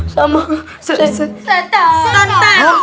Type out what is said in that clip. sama setengah matang